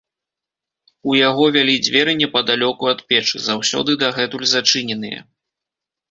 У яго вялі дзверы непадалёку ад печы, заўсёды дагэтуль зачыненыя.